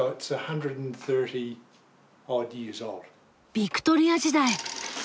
ビクトリア時代！